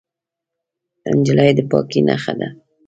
نجلۍ د پاکۍ نښه ده.